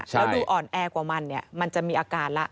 แล้วดูอ่อนแอกว่ามันเนี่ยมันจะมีอาการละ